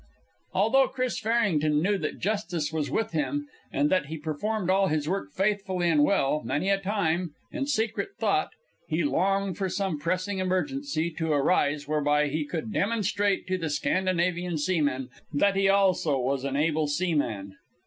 Although Chris Farrington knew that justice was with him, and that he performed all his work faithfully and well, many a time, in secret thought, he longed for some pressing emergency to arise whereby he could demonstrate to the Scandinavian seamen that he also was an able seaman.